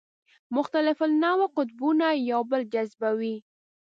مختلف النوع قطبونه یو بل جذبوي.